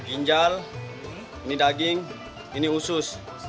ginjal ini daging ini usus